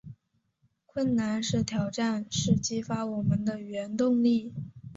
困难与挑战是激发我们的原动力